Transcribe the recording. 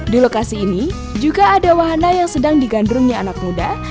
di lokasi ini juga ada wahana yang sedang digandrungi anak muda